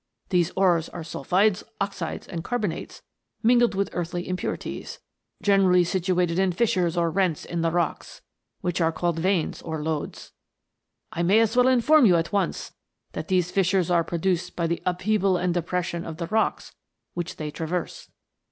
These ores are sulphides, oxides, and carbonates mingled with earthy impurities, generally situated in fissures or rents in the rocks, which are called veins or lodes. I may as well inform you at once, that these fissures are produced by the uphea val and depression of the rocks which they tra verse.